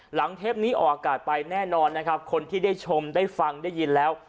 เทปนี้ออกอากาศไปแน่นอนนะครับคนที่ได้ชมได้ฟังได้ยินแล้ว